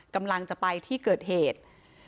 กำลังจะไปที่เกิดเหตุ